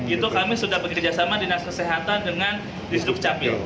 itu kami sudah bekerjasama dinas kesehatan dengan dinas kesehatan